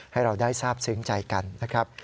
ให้เราได้ทราบซึ้งใจกันนะครับ